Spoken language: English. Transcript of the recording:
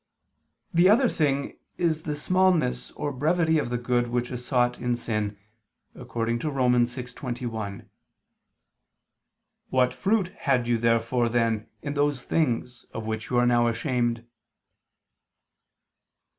The other thing is the smallness or brevity of the good which is sought in sin, according to Rom. 6:21: "What fruit had you therefore then in those things, of which you are now ashamed?"